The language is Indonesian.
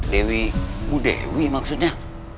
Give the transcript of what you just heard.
dewi bu dewi maksudnya